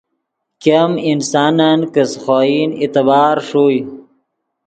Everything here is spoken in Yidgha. ګیم انسانن کہ سے خوئن اعتبار ݰوئے